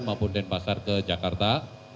maupun denpasar ke jakarta